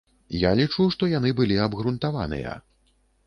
Я лічу, што яны былі абгрунтаваныя.